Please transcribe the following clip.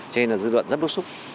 cho nên là dư luận rất đốt xúc